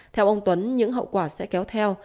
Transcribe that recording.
theo ông tuấn những hậu quả sẽ kéo theo